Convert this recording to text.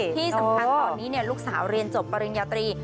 ที่สำคัญตอนนี้ลูกสาวเรียนจบปริญญาตรี